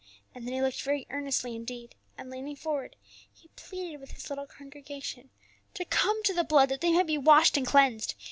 And then he looked very earnestly indeed, and leaning forward he pleaded with his little congregation to come to the blood that they might be washed and cleansed.